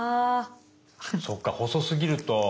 そうか細すぎると。